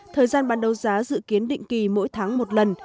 thời gian bán đấu giá dự kiến định kỳ mỗi tháng một lần